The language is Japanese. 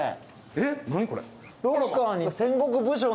えっ何これ？